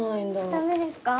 ダメですか？